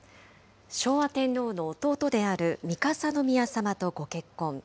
昭和天皇の弟である三笠宮さまとご結婚。